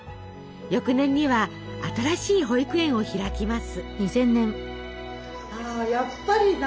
翌年には新しい保育園を開きます。